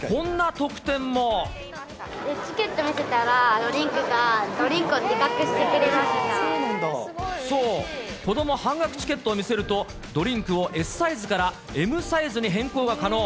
チケット見せたら、ドリンクそう、子ども半額チケットを見せると、ドリンクをＳサイズからＭサイズに変更が可能。